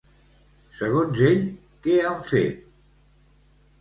Segons ell, què han fet?